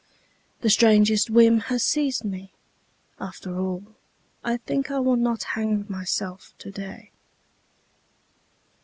The strangest whim has seized me ... After all I think I will not hang myself today.